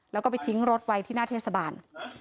แล้วก็ไปทิ้งรถไว้ที่หน้าเทศบาล